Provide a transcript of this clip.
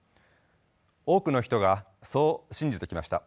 多くの人がそう信じてきました。